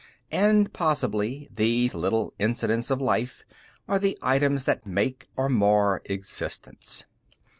And possibly these little incidents of life are the items that make or mar existence.